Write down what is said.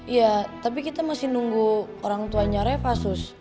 iya tapi kita masih nunggu orang tuanya reva sus